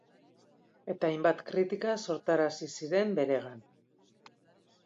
Eta hainbat kritika sortarazi ziren beregan.